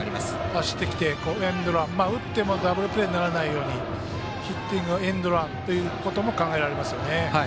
走ってきてエンドラン打ってもダブルプレーにならないようヒッティングのエンドランということも考えられますね。